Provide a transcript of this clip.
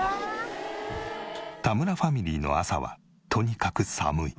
田村ファミリーの朝はとにかく寒い。